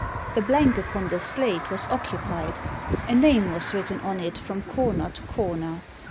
The blank upon the slate was occupied; a name was written on it from comer to corner.